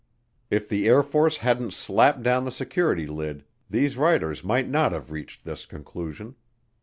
If the Air Force hadn't slapped down the security lid, these writers might not have reached this conclusion.